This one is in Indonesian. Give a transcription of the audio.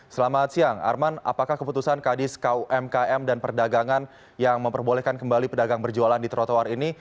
selamat siang arman apakah keputusan kadiskumkm dan perdagangan yang memperbolehkan kembali pedagang berjualan di trotoar ini